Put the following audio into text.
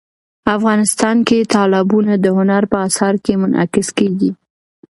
افغانستان کې تالابونه د هنر په اثار کې منعکس کېږي.